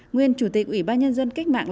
nguyên chủ tịch ủy ban nhân dân cách mạng